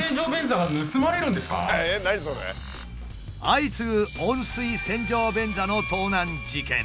相次ぐ温水洗浄便座の盗難事件。